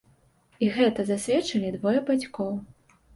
І гэта засведчылі двое бацькоў.